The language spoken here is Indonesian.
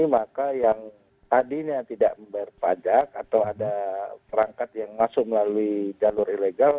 maka yang tadinya tidak membayar pajak atau ada perangkat yang masuk melalui jalur ilegal